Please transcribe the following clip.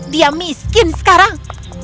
dia miskin sekarang